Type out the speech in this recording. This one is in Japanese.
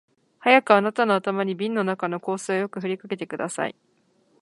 早くあなたの頭に瓶の中の香水をよく振りかけてください